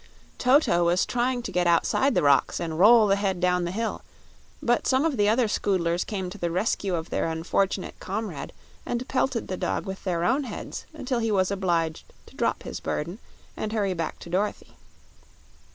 Toto was trying to get outside the rocks and roll the head down the hill; but some of the other Scoodlers came to the rescue of their unfortunate comrade and pelted the dog with their own heads until he was obliged to drop his burden and hurry back to Dorothy.